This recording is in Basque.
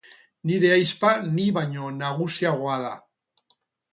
Nire ahizpa ni baino nagusiagoa da